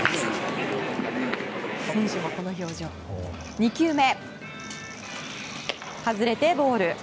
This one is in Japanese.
２球目、外れてボール。